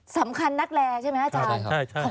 สำคัญนักแลใช่ไหมอาจารย์